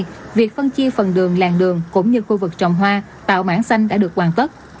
vì vậy việc phân chia phần đường làng đường cũng như khu vực trồng hoa tạo mảng xanh đã được hoàn tất